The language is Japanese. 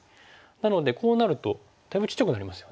なのでこうなるとだいぶちっちゃくなりますよね。